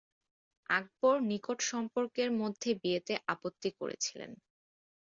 আকবর নিকট সম্পর্কের মধ্যে বিয়েতে আপত্তি করেছিলেন।